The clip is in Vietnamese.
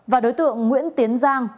và đối tượng nguyễn tiến giang